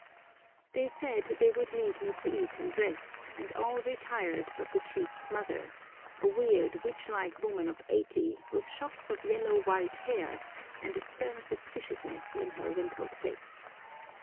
They said they would leave me to eat and rest, and all retired but the chief's mother, a weird, witch like woman of eighty, with shocks of yellow white hair, and a stern suspiciousness in her wrinkled face.